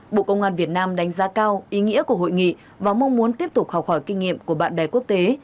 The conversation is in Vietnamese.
bộ công an việt nam đánh giá cao ý nghĩa của hội nghị và mong muốn tiếp tục học hỏi kinh nghiệm của bạn bè quốc tế